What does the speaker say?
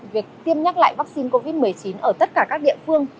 việc tiêm nhắc lại vắc xin covid một mươi chín ở tất cả các địa phương